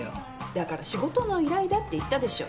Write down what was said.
だから仕事の依頼だって言ったでしょ。